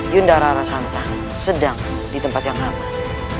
yundara rara santang sedang di tempat yang aman